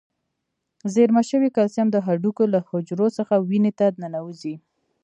زیرمه شوي کلسیم د هډوکو له حجرو څخه وینې ته ننوزي.